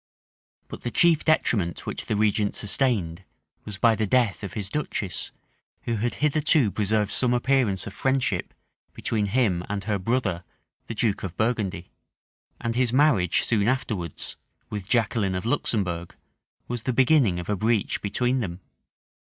But the chief detriment which the regent sustained, was by the death of his duchess, who had hitherto preserved some appearance of friendship between him and her brother, the duke of Burgundy:[] and his marriage, soon afterwards, with Jaqueline of Luxembourg, was the beginning of a breach between them.